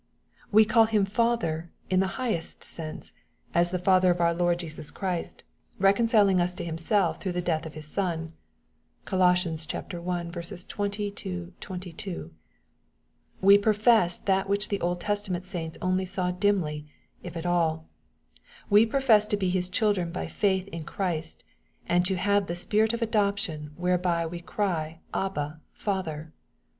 We call Him Father in the highest sense, as the Father of our Lord Jesus Christ, reconciling us to Him MATTHEW, OHAP. VL 51 •elf, through the death of His Son. (Col. i 20 22.) We profess that which the Old Testament saints only saw dimly, if at all, — ^we profess to be His children by faith in Christ, and to have " the Spirit of adoption whereby we cry, Abba, Father."